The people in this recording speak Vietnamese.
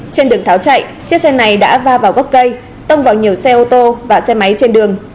trên đường tháo chạy chiếc xe này đã va vào gốc cây tông vào nhiều xe ô tô và xe máy trên đường